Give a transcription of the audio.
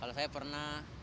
kalau saya pernah